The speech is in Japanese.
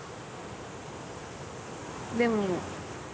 でも。